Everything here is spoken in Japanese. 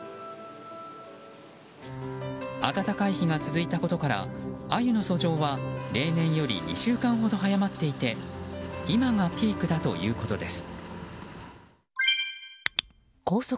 暖かい日が続いたことからアユの遡上は例年より２週間ほど早まっていて今がピークだということです。